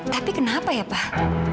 tapi kenapa ya pak